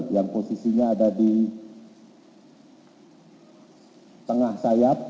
yang posisinya ada di tengah sayap